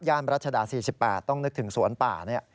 ย่านรัชดา๔๘ต้องนึกถึงสวนป่าเนี่ย